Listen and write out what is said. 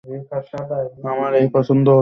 আমার একে পছন্দ হচ্ছে না।